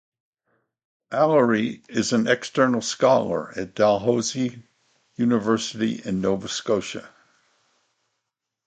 Alary is an External Scholar at Dalhousie University in Nova Scotia.